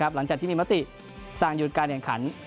หลังจากที่มีมติสั่งหยุดการแข่งขัน